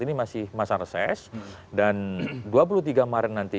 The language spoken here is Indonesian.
ini masih masa reses dan dua puluh tiga maret nanti